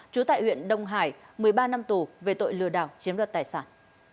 một nghìn chín trăm tám mươi chín trú tại huyện đông hải một mươi ba năm tù về tội lừa đảo chiếm đoạt tài sản